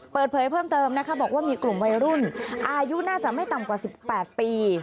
เปิดเผยเพิ่มเติมนะคะบอกว่ามีกลุ่มวัยรุ่นอายุน่าจะไม่ต่ำกว่า๑๘ปี